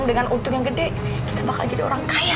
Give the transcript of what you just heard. dengan untung yang gede kita bakal jadi orang kaya